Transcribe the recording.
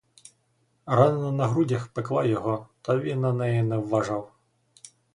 Рана на грудях пекла його, та він на неї не вважав.